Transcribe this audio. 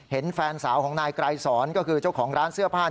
แฟนสาวของนายไกรสอนก็คือเจ้าของร้านเสื้อผ้า